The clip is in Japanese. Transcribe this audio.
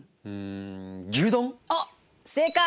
あっ正解！